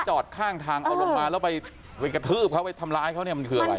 จอดข้างทางเอาลงมาแล้วไปกระทืบเขาไปทำร้ายเขาเนี่ยมันคืออะไร